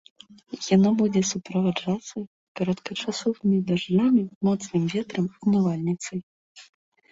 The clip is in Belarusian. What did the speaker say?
Яно будзе суправаджацца кароткачасовымі дажджамі, моцным ветрам і навальніцамі.